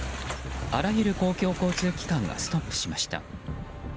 あらゆる公共交通機関がストップしました。